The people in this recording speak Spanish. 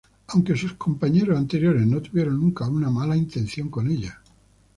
Aunque sus compañeros anteriores no tuvieron nunca una mala intención con ella.